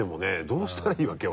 どうしたらいいわけ？